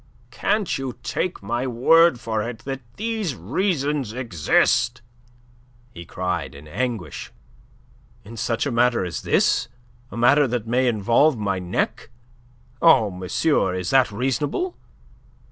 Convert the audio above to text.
"Can't you take my word for it that these reasons exist?" he cried in anguish. "In such a matter as this a matter that may involve my neck? Oh, monsieur, is that reasonable?"